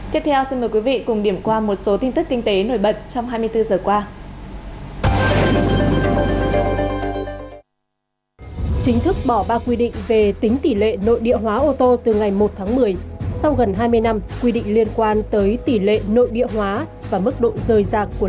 tiếp theo xin mời quý vị cùng điểm qua một số tin tức kinh tế nổi bật trong hai mươi bốn giờ qua